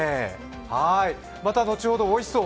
また後ほどね、おいしそう。